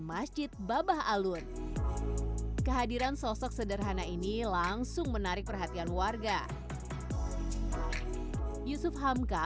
masjid babah alun kehadiran sosok sederhana ini langsung menarik perhatian warga yusuf hamka